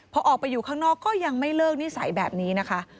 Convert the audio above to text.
พอออกไปอยู่ข้างนอกก็ยังไม่เลิกนิสัยแบบนี้นะคะ